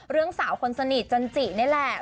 เรื่องสาวคนสนิทจันจินี่แหละ